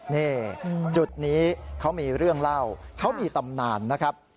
นี่จุดนี้เขามีเรื่องเล่าเขามีตำนานนะครับ